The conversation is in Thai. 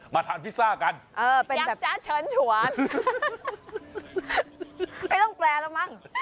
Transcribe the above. ทานพิซซ่ากันเออเป็นแบบจ๊ะเชิญชวนไม่ต้องแปลแล้วมั้ง